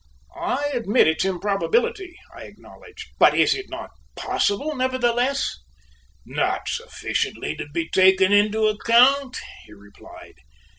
"I admit its improbability," I acknowledged, "but is it not possible, nevertheless?" "Not sufficiently so to be taken into account," he replied.